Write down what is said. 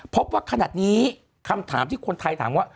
พบว่าขนาดนี้คำถามที่คนไทยถามว่า